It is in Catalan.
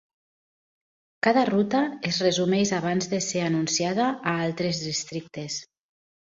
Cada ruta es resumeix abans de ser anunciada a altres districtes.